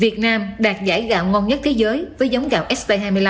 việt nam đạt giải gạo ngon nhất thế giới với giống gạo sp hai mươi năm